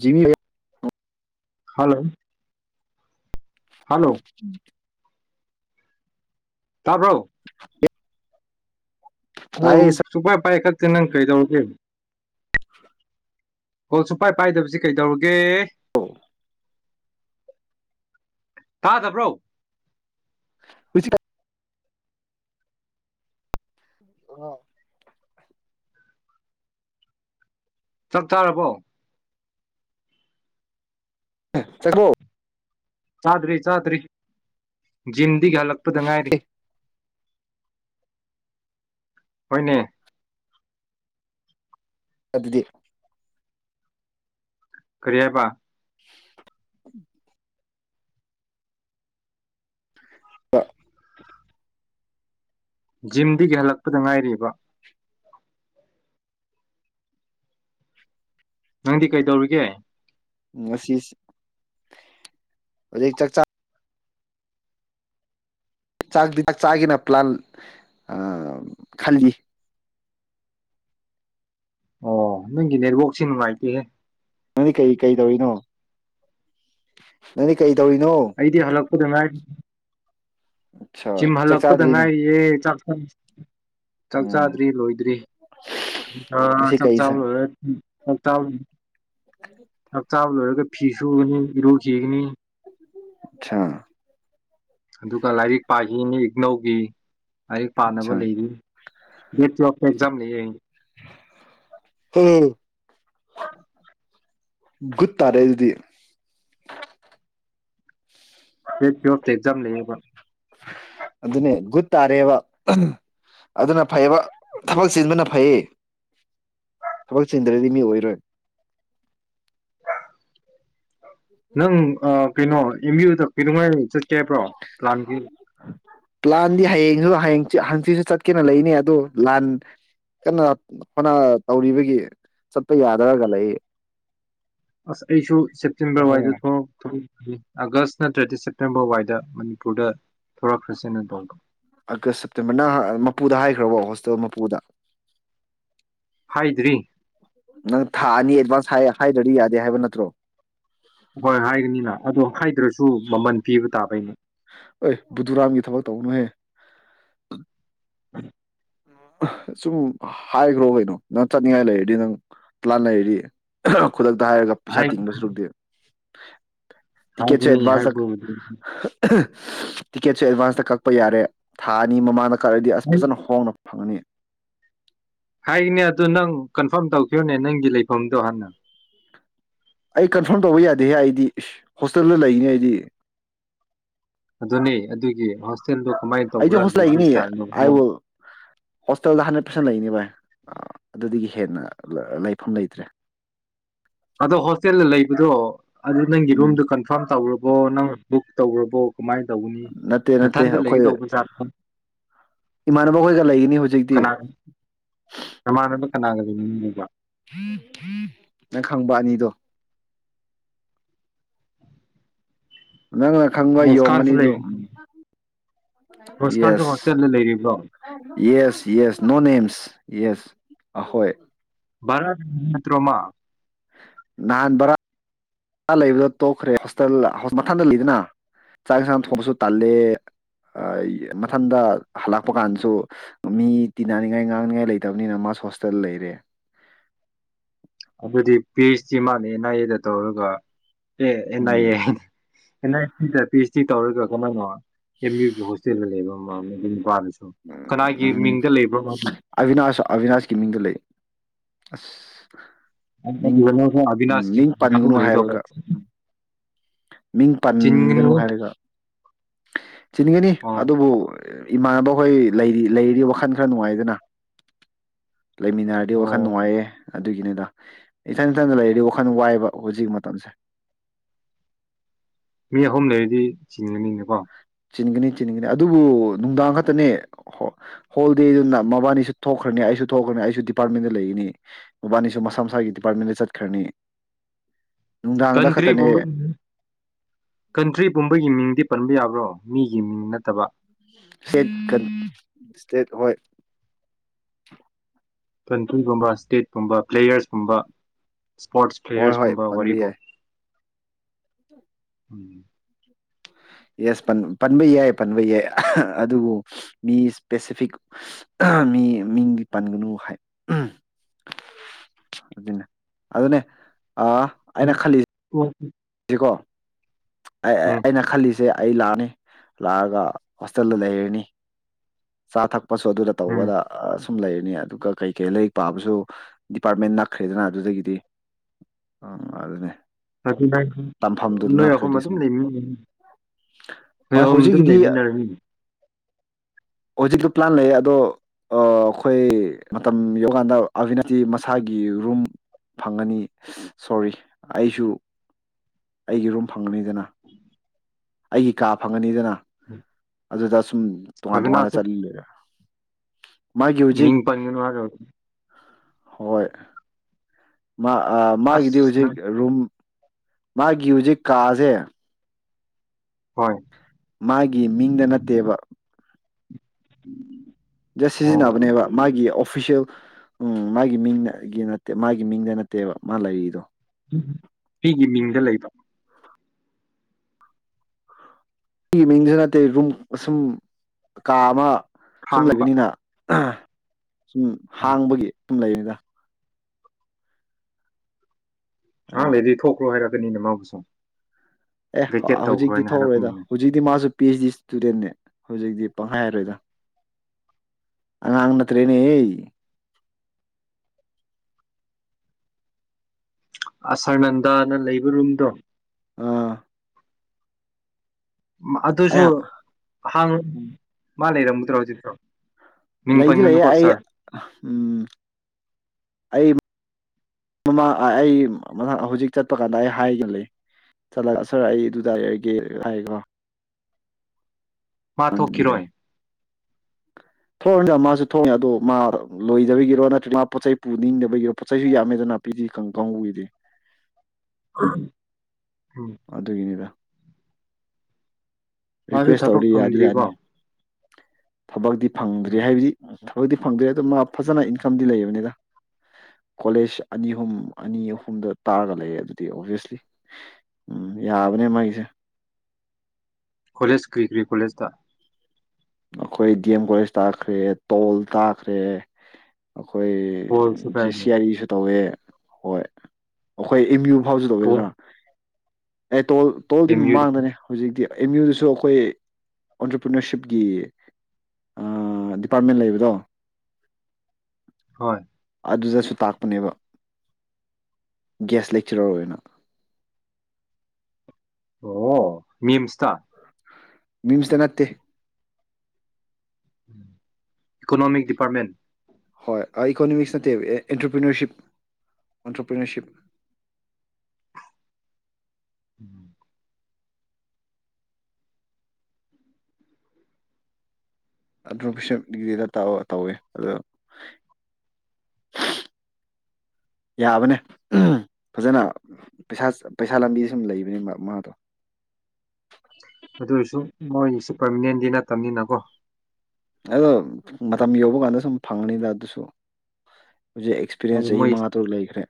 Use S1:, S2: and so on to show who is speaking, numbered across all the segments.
S1: ꯖꯤꯃꯤ
S2: hello
S1: ꯎꯝ
S2: ꯇꯥꯔꯕ
S1: [inaudible]
S2: ꯍ
S1: ꯇꯥꯏꯌꯦ
S2: ꯁꯄꯥꯔ ꯄꯥꯏ ꯀ ꯅꯪ ꯀꯩꯗꯧꯔꯒꯦ ꯀꯣ ꯁꯨꯄꯥꯏ ꯄꯥꯏꯗꯕꯁꯤ ꯀꯩꯗꯧꯔꯒꯦ ꯇꯥꯗꯕ꯭ꯔꯣ
S1: ꯍꯧꯁꯤ ꯀ ꯑ
S2: ꯆꯞ ꯆꯥꯔꯔꯕꯣ
S1: ꯆꯪꯒꯣ
S2: ꯆꯥꯗꯔꯤ ꯆꯥꯗꯔꯤꯟ ꯒꯤ ꯍꯜꯂꯛꯄꯗ ꯉꯥꯏꯔꯤ ꯍꯅꯦ
S1: ꯑꯗꯨꯗꯤ
S2: ꯀꯔꯤ ꯍꯥꯏꯦ ꯄ
S1: ꯎꯝ ꯍ [unintelligible]
S2: ꯖꯤꯝꯗꯒꯤ ꯍꯜꯂꯛꯄꯗ ꯉꯥꯏꯔꯤꯕ ꯅꯪꯗꯤ ꯀꯩꯗꯧꯔꯤꯒꯦ
S1: ꯑꯁꯤ ꯍꯧꯖꯤꯛ ꯆꯥꯛꯆꯥ ꯆꯥꯛꯗꯤ ꯆꯥꯛ ꯆꯥꯒꯤꯅ ꯄ꯭ꯂꯥꯟ ꯈꯜꯂꯤ
S2: ꯑꯣ ꯅꯪꯒꯤ ꯅꯦꯠꯋꯥꯛꯁꯦ ꯅꯨꯡꯉꯥꯏꯇꯦꯍꯦ
S1: ꯅꯪꯗꯤ ꯀꯩ ꯀꯩ ꯇꯧꯔꯤꯅꯣ ꯅꯪꯗꯤ ꯀꯩ ꯇꯧꯔꯤꯅꯣ
S2: ꯑꯩꯗꯤ ꯍꯜꯂꯛꯄꯗ ꯉꯥꯏꯔꯤ
S1: ꯑꯠꯁꯥ
S2: ꯖꯤꯝ
S1: ꯆꯥꯛ
S2: ꯍꯜꯂꯛꯄꯗ
S1: ꯆꯥꯗ꯭ꯔꯤꯅꯦ
S2: ꯉꯥꯏꯌꯦ ꯆꯥꯛ ꯎꯝ ꯆꯥꯛ
S1: ꯎꯝ
S2: ꯆꯥꯗ꯭ꯔꯤ ꯂꯣꯏꯗ꯭ꯔꯤ
S1: ꯉꯁꯤ
S2: ꯆꯥꯛ
S1: ꯀꯩ
S2: ꯆꯥꯕ
S1: ꯏꯟꯁꯥꯡ
S2: ꯂꯣꯏꯔ [unintelligible] ꯆꯥꯛꯆꯥꯕ ꯂꯣꯏꯔꯒ ꯐꯤ ꯁꯨꯒꯅꯤ ꯏꯔꯨꯈꯤꯒꯅꯤ
S1: ꯑꯠꯁꯥ
S2: ꯑꯗꯨꯒ ꯂꯥꯏꯔꯤꯛ ꯄꯥꯈꯤꯅꯤ ꯏꯅꯧꯒꯤ ꯂꯥꯏꯔꯤꯛ ꯄꯥꯅꯕ
S1: ꯑꯠꯁꯥ
S2: ꯂꯩꯔꯤ ꯑꯦꯛꯖꯝ ꯂꯩꯌꯦ
S1: ꯎꯝ ꯒꯨꯠ ꯇꯥꯔꯦ ꯑꯗꯨꯗꯤ
S2: ꯇ꯭ꯋꯦꯜ ꯑꯦꯛꯖꯝ ꯂꯩꯦꯕ
S1: ꯑꯗꯨꯅꯦ ꯒꯨꯠ ꯇꯥꯔꯦꯕ ꯑꯗꯨꯅ ꯐꯩꯌꯦꯕ ꯊꯕꯛ ꯆꯤꯟꯕꯅ ꯐꯩꯌꯦ ꯊꯕꯛ ꯆꯤꯟꯗ꯭ꯔꯗꯤ ꯃꯤ ꯑꯣꯏꯔꯣꯏ
S2: ꯅꯪ ꯑ ꯅꯪ ꯑꯦꯝ ꯌꯨꯗ ꯀꯩꯗꯧꯉꯩ ꯆꯠꯅꯤ
S1: ꯄ꯭ꯂꯥꯟꯗꯤ ꯍꯌꯦꯡꯁꯨ ꯍꯪꯆꯤꯠꯁꯨ ꯆꯠꯀꯦꯅ ꯂꯩꯅꯦ ꯑꯗꯨꯗꯣ ꯂꯥꯟ ꯀꯟꯅ ꯍꯣꯠꯅ ꯇꯧꯔꯤꯕꯒꯤ ꯆꯠꯄ ꯌꯥꯗꯔꯒ ꯂꯩ
S2: ꯑꯁ ꯑꯩꯁꯨ ꯁꯦꯞꯇꯦꯝꯕꯔ
S1: ꯍꯣꯏ
S2: ꯋꯥꯏꯗ ꯊꯣꯛꯂꯛ ꯑꯥꯒꯁ ꯅꯠꯇ꯭ꯔꯗꯤ ꯁꯦꯞꯇꯦꯝꯕꯔ ꯑꯗꯨꯋꯥꯏꯗ ꯃꯅꯤꯄꯨꯔꯗ ꯊꯣꯔꯛꯈ꯭ꯔꯁꯦꯅ ꯇꯧꯕ
S1: ꯑꯥꯒꯁ ꯁꯦꯞꯇꯦꯝꯕꯔꯅ ꯃꯄꯨꯗ ꯍꯥꯏꯈ꯭ꯔꯕꯣ ꯍꯣꯁꯇꯦꯜ ꯃꯄꯨꯗ
S2: ꯍꯥꯏꯗ꯭ꯔꯤ
S1: ꯅꯪ ꯊꯥ ꯑꯅꯤ ꯑꯦꯗꯚꯥꯟꯁ ꯍꯥꯏꯗ꯭ꯔꯗꯤ ꯌꯥꯗꯦ ꯍꯥꯏꯕ ꯅꯠꯇ꯭ꯔꯣ
S2: ꯍꯣꯏ ꯍꯥꯏꯒꯅꯤꯅ ꯑꯗꯣ ꯍꯥꯏꯗ꯭ꯔꯁꯨ ꯃꯃꯜ ꯄꯤꯕ ꯇꯥꯕꯩꯅꯦ
S1: ꯑ [unintelligible]
S2: ꯎꯝ [unintelligible]
S1: ꯁꯨꯝ ꯍꯥꯏꯈ꯭ꯔꯣ ꯀꯩꯅꯣ ꯅꯪ ꯆꯠꯅꯤꯡꯉꯥꯏ ꯂꯩꯔꯗꯤ ꯅꯪ ꯄꯂꯥꯟ ꯂꯩꯔꯗꯤ ꯈꯨꯗꯛꯇ ꯍꯥꯏꯔꯒ ꯄꯩꯁꯥ
S2: ꯍꯥꯏ
S1: ꯇꯤꯡꯕ ꯁꯨꯔꯨꯛꯇꯤ ꯇꯤꯀꯦꯠꯁ
S2: ꯍꯥꯏꯒꯅꯤ
S1: ꯑꯦꯗꯚꯥꯟꯁ
S2: ꯍꯥꯏꯕꯕꯨꯗꯤ
S1: ꯇꯤꯀꯦꯠꯁꯨ ꯑꯦꯗꯚꯥꯟꯁꯇ ꯀꯛꯄ ꯌꯥꯔꯦ ꯊꯥ ꯑꯅꯤ ꯃꯃꯥꯡꯗ ꯀꯛꯑꯥꯗꯤ ꯐꯖꯅ ꯍꯣꯡꯅꯕ ꯐꯪꯅꯤ
S2: ꯍꯥꯏꯅꯦ ꯑꯗꯨ ꯅꯪ ꯀꯟꯐꯥꯔꯝ ꯇꯧꯈꯤꯕꯅꯦ ꯅꯪꯒꯤ ꯂꯩꯐꯝꯗꯣ ꯍꯥꯟꯅ
S1: ꯑꯩ ꯀꯟꯐꯥꯔꯝ ꯇꯧꯕ ꯌꯥꯗꯦꯍꯦ ꯑꯩꯗꯤ ꯏꯁ ꯍꯣꯁꯇꯦꯜꯗ ꯂꯩꯔꯤꯅꯦ ꯑꯩꯗꯤ
S2: ꯑꯗꯨꯅꯦ ꯑꯗꯨꯒꯤ ꯍꯣꯁꯇꯦꯜꯗꯣ ꯀꯃꯥꯏꯅ
S1: ꯑꯩꯗꯤ
S2: ꯇꯧꯕ꯭ꯔꯥ
S1: ꯍꯣꯁꯇꯦꯜ
S2: ꯂꯩꯕꯩ
S1: ꯂꯩꯒꯅꯤ
S2: ꯁ꯭ꯇꯥꯥꯏꯜꯅꯣ
S1: ꯑꯥꯏ ꯋꯤꯜ ꯍꯣꯁꯇꯦꯜꯗ ꯍꯟꯗ꯭ꯔꯦꯠ ꯄꯥꯔꯁꯦꯟ ꯂꯩꯅꯤ ꯚꯥꯏ ꯑꯗꯨꯗꯒꯤ ꯍꯦꯟꯅ ꯂꯩꯐꯝ ꯂꯩꯇ꯭ꯔꯦ
S2: ꯑꯗꯣ ꯍꯣꯁꯇꯦꯜꯗ ꯂꯩꯕꯗꯣ ꯑꯗꯨ ꯅꯪꯒꯤ
S1: ꯎꯝ
S2: ꯔꯨꯝꯗꯨ ꯀꯟꯐꯥꯔꯝ ꯇꯧꯔꯨ ꯑꯣ ꯅꯪ ꯕꯨꯛ ꯇꯧꯈ꯭ꯔꯕꯣ
S1: ꯅꯠꯇꯦ ꯅꯠꯇꯦ ꯑꯩꯈꯣꯏ
S2: ꯖꯥꯠꯂꯣ
S1: ꯏꯃꯥꯟꯅꯕ ꯑꯩꯈꯣꯏꯒ ꯂꯩꯒꯅꯤ ꯍꯧꯖꯤꯛꯇꯤ
S2: ꯀꯅꯥ ꯅꯃꯥꯟꯅꯕ ꯀꯅꯥꯒ ꯂꯩꯃꯤꯟꯅꯔꯤꯕ
S1: ꯈꯪꯕ ꯑꯅꯤꯗꯣ ꯅꯪꯅ ꯈꯪꯕ ꯌꯣꯡ
S2: ꯃꯨꯁꯀꯥꯟꯁꯨ ꯂꯩ
S1: ꯑꯅꯤꯗꯣ
S2: ꯃꯨꯁꯀꯥꯟꯁꯨ
S1: ꯌꯦꯁ
S2: ꯍꯣꯁꯇꯦꯜꯗ ꯂꯩꯔꯤꯕ꯭ꯔꯣ
S1: ꯌꯦꯁ ꯌꯦꯁ ꯅꯣ ꯅꯦꯝꯁ ꯌꯦꯁ ꯑꯍꯣꯏ
S2: ꯚꯥꯔꯠ ꯅꯠꯇ꯭ꯔꯣ ꯃꯥ
S1: ꯅꯍꯥꯟ ꯕꯔꯥ ꯂꯩꯕꯗ ꯇꯣꯛꯈ꯭ꯔꯦ ꯍꯣꯁꯇꯦꯜ ꯃꯊꯟꯗ ꯂꯩꯗꯅ ꯆꯥꯛ ꯌꯦꯟꯁꯥꯡ ꯊꯣꯡꯕꯁꯨ ꯇꯜꯂꯦ ꯃꯊꯟꯗ ꯍꯜꯂꯛꯄ ꯀꯥꯟꯁꯨ ꯃꯤ ꯇꯤꯟꯅꯅꯤꯡꯉꯥꯏ ꯉꯥꯡꯅꯤꯉꯥꯏ ꯂꯩꯇꯕꯅꯤꯅ ꯃꯥꯁꯨ ꯍꯣꯁꯇꯦꯜ ꯂꯩꯔꯦ
S2: ꯑꯗꯨꯗꯤ ꯄꯤꯁꯇꯤ ꯃꯥꯜꯅꯦ ꯑꯦꯟ ꯑꯥꯏ ꯑꯦꯗ ꯇꯧꯔꯒ A N I
S1: um
S2: A P S D ꯇꯧꯔꯤꯒꯀꯣꯅ ꯅꯣ ꯑꯦꯝ ꯌꯨ ꯒꯤ ꯍꯣꯇꯦꯦꯜ ꯂꯩ ꯏꯕꯣ [unintelligible]
S1: ꯎꯝ ꯎꯝ ꯑꯕꯤꯅꯥꯁ ꯑꯕꯤꯅꯥꯁꯀꯤ ꯃꯤꯡꯗ ꯂꯩ ꯑꯁ ꯃꯤꯡ
S2: ꯑꯕꯤꯅꯥꯁ
S1: ꯃꯤꯡ ꯄꯟꯒꯅꯨ
S2: [unintelligible] ꯂꯩꯗ
S1: ꯍꯥꯏꯕꯒ ꯎꯝ ꯃꯤꯡ ꯄꯟꯒꯅꯨ ꯍꯥꯏꯔꯒ ꯆꯤꯟꯒꯅꯤ
S2: ꯑꯣ
S1: ꯑꯗꯨꯕꯨ ꯏꯃꯥꯟꯅꯕ ꯍꯣꯏ ꯂꯩꯔꯤ ꯂꯩꯔꯤ ꯋꯥꯈꯜ ꯈꯔ ꯅꯨꯡꯉꯥꯏꯗꯅ ꯂꯩꯃꯤꯟꯅꯔꯗꯤ ꯋꯥꯈꯜ
S2: ꯑꯣ
S1: ꯅꯨꯡꯉꯥꯏꯌꯦ ꯑꯗꯨꯒꯤꯅꯤꯗ ꯏꯊꯟ ꯏꯊꯟꯗ ꯂꯩꯗꯤ ꯋꯥꯈꯜ ꯋꯥꯏꯕ ꯍꯧꯖꯤꯛ ꯃꯇꯝꯁꯦ
S2: ꯑꯅꯤ ꯑꯍꯨꯝ ꯂꯩꯔꯗꯤ ꯆꯤꯡꯒꯅꯤꯗ ꯋꯥ
S1: ꯆꯤꯟꯒꯅꯤ ꯆꯤꯟꯒꯅꯤ ꯑꯗꯨꯕꯨ ꯅꯨꯡꯗꯥꯡ ꯈꯛꯇꯅꯦ ꯍꯣꯜꯗꯦꯗꯨꯅ ꯃꯕꯥꯅꯤꯁꯨ ꯊꯣꯛꯈ꯭ꯔꯅꯤ ꯑꯩꯁꯨ ꯊꯣꯛꯈ꯭ꯔꯅꯤ ꯑꯩꯁꯨ ꯗꯤꯄꯥꯔꯠꯃꯦꯟꯗ ꯂꯩꯒꯅꯤ ꯃꯕꯥꯅꯤꯁꯨ ꯃꯁꯥ ꯃꯁꯥꯒꯤ ꯗꯤꯄꯥꯔꯠꯃꯦꯟꯗ ꯆꯠꯈ꯭ꯔꯅꯤ ꯅꯨꯡꯗꯥꯡꯗ
S2: ꯀꯟꯇ꯭ꯔꯤ
S1: ꯈꯛꯇꯅꯦ
S2: ꯄꯨꯝꯕ ꯀꯟꯇ꯭ꯔꯤ ꯄꯨꯝꯕꯒꯤ ꯃꯤꯡꯗꯤ ꯄꯟꯕ ꯌꯥꯕ꯭ꯔꯣ ꯃꯤꯒꯤ ꯃꯤꯡ ꯅꯠꯇꯕ
S1: ꯁꯦꯠ ꯀ ꯁꯇꯦꯠ ꯍꯣꯏ
S2: ꯀꯟꯇ꯭ꯔꯤꯒꯨꯝꯕ ꯏꯁꯇꯦꯠꯀꯨꯝꯕ ꯄ꯭ꯂꯦꯌꯔꯁꯀꯨꯝꯕ ꯏꯁꯄꯣꯔꯠꯁ
S1: ꯍꯣꯏ
S2: ꯄ꯭ꯂꯦꯌꯔꯁꯀꯨꯝꯕ ꯋꯥꯔꯤꯕꯔꯤꯕ
S1: ꯑꯗꯨ
S2: [inaudible]
S1: ꯌꯦꯁ ꯄꯟꯕ ꯌꯥꯏ ꯄꯟꯕ ꯌꯥꯏ ꯑꯗꯨꯕꯨ ꯃꯤ ꯏꯁꯄꯦꯁꯤꯐꯤꯛ ꯃꯤ ꯃꯤꯡꯗꯤ ꯄꯟꯒꯅꯨ ꯍꯥꯏ ꯑꯗꯨꯅꯦ ꯑꯗꯨꯅꯦ ꯑ ꯑꯩꯅ ꯈꯜꯂꯤꯁ
S2: ꯎꯝ
S1: ꯣ ꯑꯩꯅ ꯈꯜꯂꯤꯁꯦ ꯁꯦ ꯑꯩ ꯂꯥꯛꯑꯅꯤ ꯂꯥꯛꯑꯒ ꯍꯣꯁꯇꯦꯜꯗ ꯂꯩꯔꯅꯤ ꯆꯥ ꯊꯛꯄ ꯄꯣꯠꯁꯨ ꯑꯗꯨꯗ
S2: ꯎꯝ
S1: ꯇꯧꯕꯗ ꯑ ꯁꯨꯝ ꯂꯩꯔꯅꯤ ꯑꯗꯨꯒ ꯀꯩꯀꯩ ꯂꯥꯏꯔꯤꯛ ꯄꯥꯕꯁꯨ ꯗꯤꯄꯥꯔꯠꯃꯦꯟ ꯅꯛꯈ꯭ꯔꯦꯗꯅ ꯑꯗꯨꯗꯒꯤꯗꯤ ꯑꯗꯨꯅꯤ
S2: ꯑꯗꯨ ꯅꯣꯏ ꯑꯍꯨꯝ ꯑꯗꯨꯝ
S1: ꯁꯨꯝ
S2: ꯂꯩꯃꯤꯟꯅꯅꯤ ꯅꯣꯏ
S1: ꯍꯣꯏ
S2: ꯑꯍꯨꯝ ꯑꯗꯨꯝ
S1: ꯍꯧꯖꯤꯛꯀꯤꯗꯤ
S2: ꯂꯩꯃꯤꯟꯅꯔꯅꯤ
S1: ꯍꯧꯖꯤꯛꯇꯣ ꯄ꯭ꯂꯥꯟ ꯂꯩꯌꯦ ꯑꯗꯣ ꯑꯩꯈꯣꯏ ꯃꯇꯝ ꯌꯧꯀꯥꯟꯗ ꯑꯕꯤꯅꯥꯇꯤ ꯃꯁꯥꯒꯤ ꯔꯨꯝ ꯐꯪꯒꯅꯤ ꯁꯣꯔꯤ ꯑꯩꯁꯨ ꯑꯩꯒꯤ ꯔꯨꯝ ꯐꯪꯒꯅꯤꯗꯅ ꯑꯩꯒꯤ ꯀꯥ ꯐꯪꯉꯅꯤꯗꯅ
S2: ꯎꯝ
S1: ꯑꯗꯨ ꯇꯨꯃꯥꯟ ꯇꯃꯥꯟꯅ ꯆ ꯂꯩꯔ
S2: ꯃꯤ ꯄꯒꯅ ꯃꯥꯒ
S1: ꯍꯣꯏ ꯃꯥ ꯃꯥꯒꯤꯗꯤ
S2: ꯑꯁ
S1: ꯍꯧꯖꯤꯛ
S2: ꯅꯪ
S1: ꯔꯨꯝ ꯃꯥꯒꯤꯌ ꯍꯧꯖꯤꯛ ꯀꯥꯁꯦ
S2: ꯍꯣꯏ
S1: ꯃꯥꯒꯤ ꯃꯤꯡꯗ ꯅꯠꯇꯦꯕ
S2: ꯎꯝ
S1: ꯖꯁ ꯁꯤꯖꯤꯟꯅꯕꯅꯦꯕ ꯃꯥꯒꯤ ꯑꯣꯐꯤꯁꯦꯜ ꯎꯝ ꯃꯥꯒꯤ ꯃꯤꯡ ꯅ ꯒꯤ ꯅꯠꯇꯦ ꯃꯥꯒꯤ ꯃꯤꯡꯗ ꯅꯠꯇꯦꯕ ꯃꯥ ꯂꯩꯔꯤꯗꯣ
S2: ꯎꯝ ꯑꯩ ꯒꯤ ꯃꯤꯡꯗ ꯂꯩꯕ
S1: ꯒꯤ ꯃꯤꯡꯗ ꯅꯠꯇꯦ ꯔꯨꯝ ꯁꯨꯝ ꯀꯥ ꯑꯃ ꯁꯨꯝ
S2: ꯈꯥꯡꯕ
S1: ꯂꯩꯕꯅꯤꯅ ꯑꯥ ꯎꯝ ꯍꯥꯡꯕꯒꯤ ꯨꯎꯝ ꯂꯩꯅꯤꯗ
S2: ꯉꯍꯥꯛ
S1: ꯑꯗꯨꯅ
S2: ꯂꯩꯗꯤ ꯊꯣꯛꯈ꯭ꯔꯣ ꯍꯥꯏꯔ ꯑꯗꯨꯅ ꯃꯥꯕꯨꯁꯨ
S1: ꯑꯦ
S2: ꯚꯦꯀꯦꯠ
S1: ꯍꯧꯖꯤꯛꯇꯤ
S2: ꯇꯧꯈ꯭ꯔꯣꯅ
S1: ꯊꯣꯛꯎꯔꯣꯏꯗ
S2: ꯍꯥꯏꯔꯛꯀꯅꯤꯅꯦ
S1: ꯍꯧꯖꯤꯛꯇꯤ ꯃꯥꯁꯨ ꯄꯤ ꯖꯤ ꯏꯁꯇꯨꯗꯦꯟꯅꯦ ꯍꯧꯖꯤꯛꯇꯤ ꯄꯪꯍꯥꯏ ꯍꯥꯏꯔꯣꯏꯗ ꯑꯉꯥꯡ ꯅꯠꯇ꯭ꯔꯦꯅꯦꯍꯦ
S2: ꯑꯁꯔꯅꯟꯗꯥꯅ ꯂꯩꯕ ꯔꯨꯝꯗꯣ
S1: ꯑꯥ ꯑꯩ
S2: ꯑꯗꯨꯁꯨ ꯍꯥꯡ ꯂꯩꯔꯝꯒꯗꯔꯣ ꯍꯨꯖꯤꯛꯁꯨ
S1: ꯂꯩꯗꯤ ꯂꯩꯌꯦ ꯑꯩ ꯎꯝ ꯑꯩꯃ ꯑꯥ ꯑꯥ ꯑꯩ ꯝꯅꯥ ꯍꯧꯖꯤꯛ ꯆꯠꯄ ꯀꯥꯟꯗ ꯑꯩ ꯍꯥꯏꯒ ꯂꯩ ꯆꯠꯂꯒ ꯁꯔ ꯑꯩ ꯑꯗꯨꯗꯔꯔꯒꯦ ꯍꯥꯏꯒꯔꯣ꯫
S2: ꯊꯣꯛꯈꯤꯔꯣꯏ
S1: ꯊꯣꯡꯑꯥꯅꯤꯗꯅ ꯃꯥꯖꯨ ꯊꯣꯡꯉꯦ ꯑꯗꯣ ꯃꯥ ꯂꯣꯏꯗꯕꯒꯤꯔꯣ ꯅꯠꯇ꯭ꯔꯒ ꯃꯥ ꯄꯣꯠ ꯆꯩ ꯄꯨꯅꯤꯡꯗꯕꯒꯤꯔꯣ ꯄꯣꯠꯆ ꯆꯩꯁꯨ ꯌꯥꯝꯃꯦꯗꯅ ꯄꯤꯖꯤ ꯀꯥꯡ ꯀꯥꯡꯕꯨꯒꯤꯗꯤ
S2: ꯎꯝ ꯎꯝ
S1: ꯑꯗꯨꯒꯤꯅꯤꯗ
S2: ꯃꯥꯁꯨ ꯊꯕꯛ ꯐꯪꯗ꯭ꯔꯤꯀꯣ
S1: ꯊꯕꯛꯗꯤ ꯐꯪꯗ꯭ꯔꯤ
S2: ꯎꯝ
S1: ꯍꯥꯏꯕꯗꯤ ꯊꯕꯛꯇꯤ ꯐꯪꯗ꯭ꯔꯦ ꯑꯗꯣ ꯃꯥ ꯐꯖꯅ ꯏꯟꯀꯝꯗꯤ ꯂꯩꯕꯅꯤꯗ ꯀꯣꯂꯦꯖ ꯑꯅꯤ ꯑꯍꯨꯝ ꯑꯅꯤ ꯑꯍꯨꯝꯗ ꯇꯥꯔꯒ ꯂꯩ ꯑꯗꯨꯗꯤ ꯑꯣꯚꯌꯁꯂꯤ ꯎꯝ ꯌꯥꯕꯅꯦ ꯃꯥꯒꯤꯁꯦ
S2: ꯀꯣꯂꯦꯖ ꯀ꯭ꯔꯤ ꯀ꯭ꯔꯤ ꯀꯣꯂꯦꯖꯗ
S1: ꯑꯩꯈꯣꯏ ꯗꯤ ꯑꯦꯝ ꯀꯣꯂꯦꯖ ꯇꯥꯈ꯭ꯔꯦ ꯇꯣꯜ ꯇꯥꯈ꯭ꯔꯦ ꯑꯩꯈꯣꯏ
S2: ꯄꯣꯜꯁꯨ
S1: ꯖꯦ
S2: ꯀꯥꯏꯅꯤ
S1: ꯁꯤ ꯑꯔꯤꯁꯨ ꯇꯧꯋꯦ ꯍꯣꯏ ꯑꯩꯈꯣꯏ ꯑꯦꯝ ꯌꯨ ꯁꯨ
S2: ꯄꯣꯜ
S1: ꯇꯧꯑꯗꯅ ꯑ ꯇꯣꯜ ꯇꯣꯜꯗꯤ
S2: ꯑꯦꯝ ꯌꯨ
S1: ꯃꯥꯡꯗꯅꯦ ꯍꯧꯖꯤꯛꯇꯤ ꯑꯦꯝ ꯌꯨꯗꯁꯨ ꯑꯩꯈꯣꯏ ꯑꯣꯟꯇꯔꯄ꯭ꯔꯤꯅꯔꯁꯤꯞ ꯒꯤ ꯑꯥ ꯗꯤꯄꯥꯔꯠꯃꯦꯟ ꯂꯩꯕꯗꯣ
S2: ꯍꯣꯏ
S1: ꯑꯗꯨꯗꯁꯨ ꯇꯥꯛꯄꯅꯦꯕ ꯒ꯭ꯌꯥꯁ ꯂꯦꯛꯆꯔꯔ ꯑꯣꯏꯅ
S2: ꯑꯣ ꯃꯤꯝꯁꯇ
S1: ꯃꯤꯝꯁꯗ ꯅꯠꯇꯦ
S2: ꯏꯀꫭꯅꫭꯃꯤꯛ ꯗꯤꯄꯥꯔꯃꯦꯟ
S1: ꯍꯣꯏ ꯏꯀꯣꯅꯣꯃꯤꯛꯁ ꯅꯠꯇꯦ ꯑꯦꯟꯇꯔꯄ꯭ꯔꯤꯅꯔꯁꯤꯞ ꯑꯣꯟꯇꯔꯄ꯭ꯔꯤꯅꯔꯁꯤꯞ
S2: ꯎꯝ
S1: ꯑꯗꯨꯣꯐꯁꯞ ꯗꯤꯒ꯭ꯔꯤꯗ ꯇꯧꯔ ꯇꯧꯋꯦ ꯑꯗ ꯌꯥꯕꯅꯦ ꯐꯖꯅ ꯄꯩꯁꯥ ꯄꯩꯁꯥ ꯂꯝꯕꯤ ꯁꯨꯝ ꯂꯩꯕꯅꯤ ꯃꯥꯗꯣ
S2: ꯑꯗꯨꯑꫭꯏꯁꯨ ꯃꯣꯏꯒꯤꯁꯨ ꯄꯔꯃꯤꯅꯦꯟꯗꯤ ꯅꯠꯇꯕꯅꯤꯅꯀꯣ
S1: ꯑꯗꫭ ꯃꯇꯝ ꯌꯧꯕ ꯀꯥꯟꯗ ꯁꯨꯝ ꯐꯪꯅꯤꯗ ꯑꯗꯨꯁꯨ ꯍꯧꯖꯤꯛ ꯑꯦꯛꯁꯄꯤꯔꯤꯌꯦꯟꯁ
S2: ꯑꯗꯨ
S1: ꯆꯍꯤ
S2: ꯃꯣꯏ
S1: ꯃꯉꯥ ꯇꯔꯨꯛ ꯂꯩꯈ꯭ꯔꯦ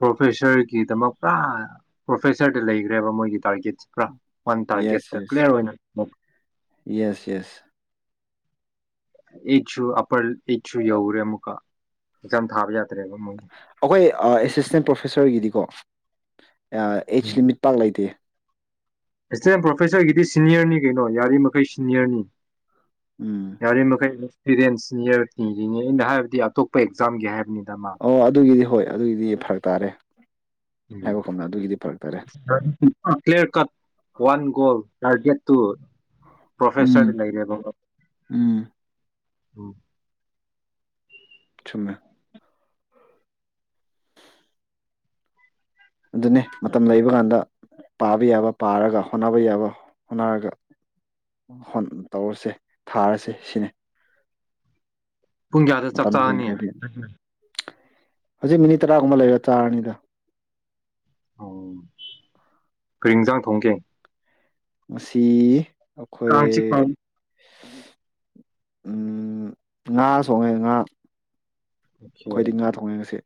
S2: ꯄ꯭ꯔꯣꯐꯦꯁꯔꯒꯤꯗꯃꯛ ꯄꯨꯔꯥ ꯄ꯭ꯔꯣꯐꯦꯁꯔꯗ ꯂꯩꯈ꯭ꯔꯦꯕ ꯃꯣꯏꯒꯤ ꯇꯥꯔꯒꯦꯠ ꯈ ꯋꯥꯟ ꯇꯥꯔꯒꯦꯠꯇ
S1: ꯌꯦꯁ ꯌꯦꯁ
S2: ꯀ꯭ꯂꯤꯌꯥꯔ ꯑꯣꯏꯅ [inaudible]
S1: ꯌꯦꯁ ꯌꯦꯁ
S2: ꯑꯩꯠꯁꯨ ꯑꯞꯄꯔ ꯑꯩꯠꯁꯨ ꯌꯧꯔꯦ ꯑꯃꯨꯛꯀ ꯑꯦꯛꯖꯝ ꯊꯥꯕ ꯌꯥꯗ ꯇ꯭ꯔꯦꯕ ꯃꫭꯏꯗꯤ
S1: ꯑꯩꯈꯣꯏ ꯑꯦꯁꯤꯁꯇꯦꯟ ꯄ꯭ꯔꯣꯐꯦꯁꯔꯒꯤꯗꯤꯀꯣ ꯑꯦꯖ
S2: ꯎꯝ
S1: ꯂꯤꯃꯤꯠ ꯄꯥꯛ ꯂꯩꯇꯦ
S2: ꯑꯦꯁꯤꯁꯇꯦꯟ ꯄ꯭ꯔꯣꯐꯦꯁꯔꯒꯤꯗꯤ ꯁꯤꯅꯤꯌꯔꯅꯤ ꯀꯩꯅꯣ ꯌꯥꯔꯤꯃꯩ ꯁꯤꯅꯤꯌꯔꯅꯤ
S1: ꯎꯝ
S2: ꯌꯥꯔꯤ ꯃꯈꯩ ꯑꯦꯛꯃ꯭ꯔꯤꯔꯦꯟ ꯁ‌ꯦꯅꯤꯌ꯭ꯔ ꯊꯤꯔꯤꯉꯦ ꯑꯩꯅ ꯍꯥꯏꯕꯗꯤ ꯑꯇꯣꯞꯄ ꯑꯦꯛꯖꯥꯝꯒꯤ ꯍꯥꯏꯕꯅꯤꯅ
S1: ꯑꯣ ꯑꯗꯨꯒꯤꯗꯤ ꯍꯣꯏ ꯑꯗꯨꯒꯤꯗꯤ ꯐꯔꯛ ꯇꯥꯔꯦ ꯍꯥꯏꯕ ꯀꯨꯝꯅ ꯑꯗꯨꯒꯤꯗꯤ ꯐꯔꯛ ꯇꯥꯔꯦ
S2: [unintelligible] clear cut one goal target to
S1: um
S2: ꯄ꯭ꯔ‌ꯦꯐꯦꯁꯥ꯭ꯔꯗ ꯂꯩꯔꯕ
S1: ꯎꯝ
S2: ꯎꯝ
S1: ꯆꯨꯝꯃꯦ ꯑꯗꯨꯅꯦ ꯃꯇꯝ ꯂꯩꯕ ꯀꯥꯟꯗ ꯄꯥꯕ ꯌꯥꯕ ꯄꯥꯔꯒ ꯍꯣꯠꯅꯕ ꯌꯥꯕ ꯍꯣꯠꯅꯔꯒ ꯇꯧꯔꯁꯦ ꯊꯥꯔꯁꯦ ꯁꯤꯅꯤ
S2: ꯄꯨꯡ ꯀꯌꯥꯗ ꯆꯥꯛ ꯆꯛꯒꯅꯤ
S1: ꯍꯦꯟꯈ꯭ꯔꯗꯤ ꯍꯧꯖꯤꯛ ꯃꯤꯅꯤꯠ ꯇꯔꯥꯒꯨꯝꯕ ꯂꯩꯔꯦ ꯆꯥꯔꯅꯤꯗ
S2: ꯎ ꯀꯩ ꯏꯟꯖꯥꯡ ꯊꯣꯡꯒꯦ
S1: ꯉꯁꯤ ꯑꯈꯣꯏ
S2: ꯀꯥꯡ ꯆꯤꯛꯄ
S1: ꯎꯝ ꯉꯥ ꯁꯣꯡꯉꯦ ꯉꯥ
S2: ꯑꯣꯀꯦ
S1: ꯑꯈꯣꯏꯗꯤ ꯉꯥ ꯊꯣꯡꯉꯩ ꯉꯁꯤ